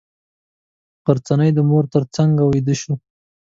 غرڅنۍ د مور تر څنګه ویده شوه.